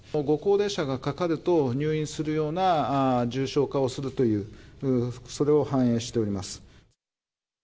ご高齢者がかかると入院するような重症化をするという、それを反映しております。